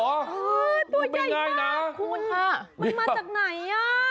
ตัวใหญ่นะคุณมันมาจากไหนอ่ะ